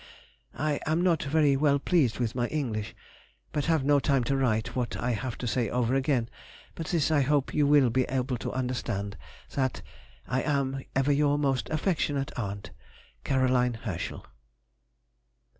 I am not very well pleased with my English, but have no time to write what I have to say over again, but this I hope you will be able to understand—that I am Ever your most affectionate aunt, CAR. HERSCHEL.